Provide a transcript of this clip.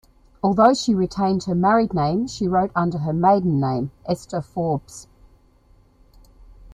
Although she retained her married name, she wrote under her maiden name, Esther Forbes.